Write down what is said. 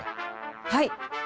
はい。